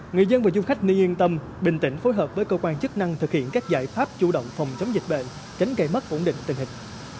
người dân và du khách nên yên tâm bình tĩnh phối hợp với cơ quan chức năng thực hiện các giải pháp chủ động phòng chống dịch bệnh tránh gây mất ổn định tình hình